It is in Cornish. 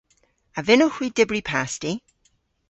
A vynnowgh hwi dybri pasti?